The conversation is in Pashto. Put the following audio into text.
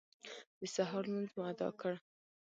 د سهار لمونځ مو اداء کړ.